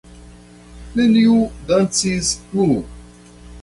Neniu dancis plu.